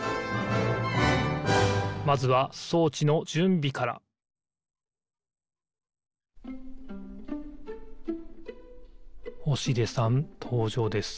まずはそうちのじゅんびから星出さんとうじょうです。